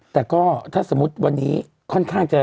แต่ก็ถ้าสมมุติวันนี้ค่อนข้างจะ